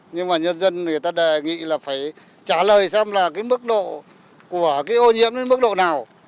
nhưng mà nhân dân người ta đề nghị là phải trả lời xem là cái mức độ của cái ô nhiễm đến mức độ nào